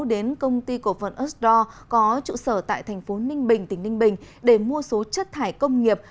đến công ty cổ phần earthdoor có trụ sở tại tp ninh bình tỉnh ninh bình để mua số chất thải công nghiệp